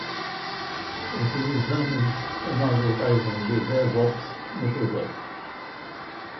Utilizamos uma abordagem de DevOps no projeto.